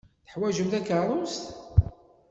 Teḥwajem takeṛṛust?